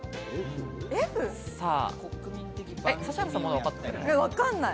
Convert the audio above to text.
指原さん、まだ分かってない。